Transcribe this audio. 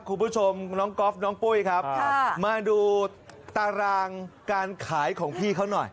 คุณผู้ชมน้องก๊อฟน้องปุ้ยครับมาดูตารางการขายของพี่เขาหน่อย